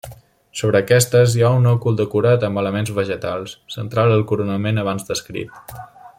Sobre aquestes hi ha un òcul decorat amb elements vegetals, central al coronament abans descrit.